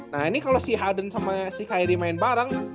nah ini kalo si harden sama si kyrie main bareng